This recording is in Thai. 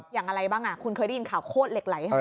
อย่างอะไรบ้างคุณเคยได้ยินข่าวโคตรเหล็กไหลใช่ไหม